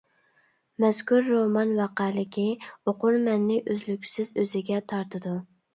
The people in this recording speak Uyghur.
مەزكۇر رومان ۋەقەلىكى ئوقۇرمەننى ئۈزلۈكسىز ئۆزىگە تارتىدۇ.